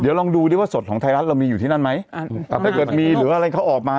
เดี๋ยวลองดูดิว่าสดของไทยรัฐเรามีอยู่ที่นั่นไหมแต่ถ้าเกิดมีหรืออะไรเขาออกมา